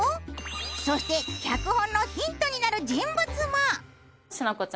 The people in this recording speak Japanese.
そして脚本のヒントになる人物も。